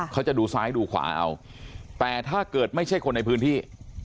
เขาจะดูซ้ายดูขวาเอาแต่ถ้าเกิดไม่ใช่คนในพื้นที่